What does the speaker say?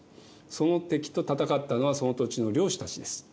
その敵と戦ったのはその土地の領主たちです。